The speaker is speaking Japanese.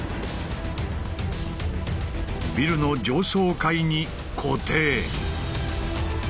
ビルの上層階に固定。